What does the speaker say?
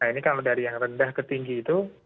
nah ini kalau dari yang rendah ke tinggi itu